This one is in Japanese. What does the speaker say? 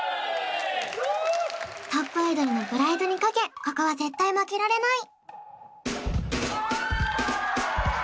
トップアイドルのプライドにかけここは絶対負けられない！